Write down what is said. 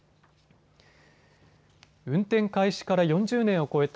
運転開始から４０年を超えた